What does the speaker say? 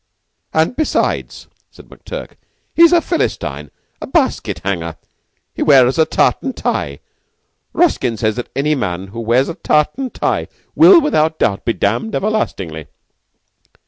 "And, besides," said McTurk, "he's a Philistine, a basket hanger. He wears a tartan tie. Ruskin says that any man who wears a tartan tie will, without doubt, be damned everlastingly."